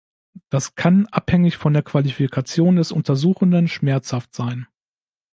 Das kann, abhängig von der Qualifikation des Untersuchenden, schmerzhaft sein.